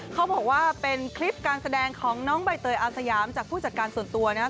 เขาบอกว่าเป็นคลิปการแสดงของน้องใบเตยอาสยามจากผู้จัดการส่วนตัวนะครับ